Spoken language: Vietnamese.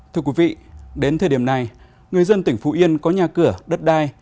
thưa quý vị đến thời điểm này người dân tỉnh phú yên có nhà cửa đất đai